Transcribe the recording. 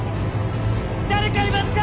誰かいますか！